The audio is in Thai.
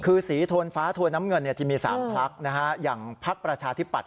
คือสีโทนฟ้าโทนน้ำเงินจะมี๓พักอย่างพักประชาธิปัตย